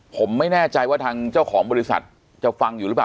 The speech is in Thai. ผมไม่แน่ใจว่าทางเจ้าของบริษัทจะฟังอยู่หรือเปล่า